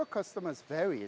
pada tempat mereka bekerja